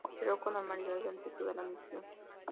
Operó con normalidad durante toda la misión.